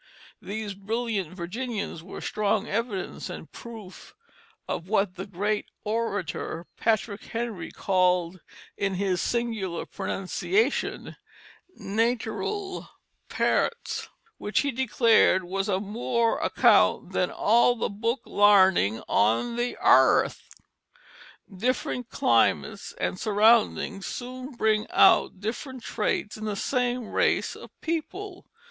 These brilliant Virginians were strong evidence and proof of what the great orator, Patrick Henry, called, in his singular pronunciation, "naiteral pairts"; which he declared was of more account than "all the book lairnin' on the airth." Different climates and surroundings soon bring out different traits in the same race of people.